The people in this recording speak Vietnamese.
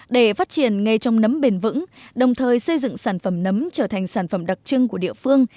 để phát triển nghề trồng nấm bền vững đồng thời xây dựng sản phẩm nấm trở thành sản phẩm đặc trưng của địa phương